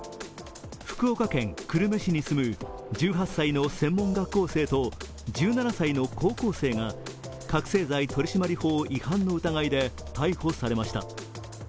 福岡県久留米市に住む１８歳の専門学校生と１７歳の高校生が覚醒剤取締法違反の疑いで逮捕されました。